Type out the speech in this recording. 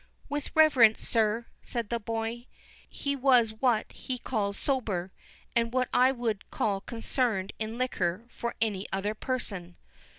"With reverence, sir," said the boy, "he was what he calls sober, and what I would call concerned in liquor for any other person."